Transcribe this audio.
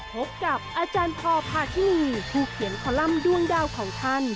พบกับอาจารย์พอพาทินีผู้เขียนคอลัมป์ด้วงดาวของท่าน